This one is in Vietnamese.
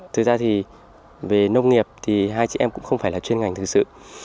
thực ra thì về nông nghiệp thì hai chị em cũng không phải là chuyên ngành thực sự